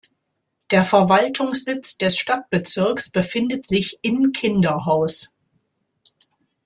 Der Verwaltungssitz des Stadtbezirks befindet sich in Kinderhaus.